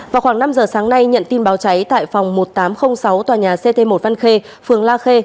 vào khoảng năm giờ sáng nay nhận tin báo cháy tại phòng một nghìn tám trăm linh sáu tòa nhà ct một văn khê phường la khê